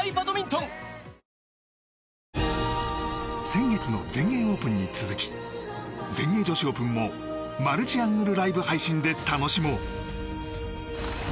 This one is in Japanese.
先月の全英オープンに続き全英女子オープンもマルチアングルライブ配信で楽しもう！